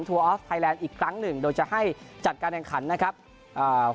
ออฟไทยแลนด์อีกครั้งหนึ่งโดยจะให้จัดการแข่งขันนะครับอ่า